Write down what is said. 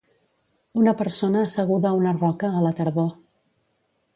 Una persona asseguda a una roca a la tardor.